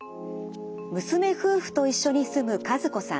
娘夫婦と一緒に住む和子さん。